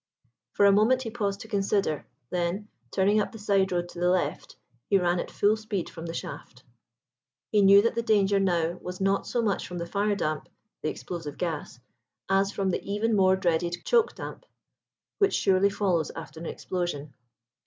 For a moment he paused to consider; then, turning up the side road to the left, he ran at full speed from the shaft. He knew that the danger now was not so much from the fire damp—the explosive gas—as from the even more dreaded choke damp, which surely follows after an explosion.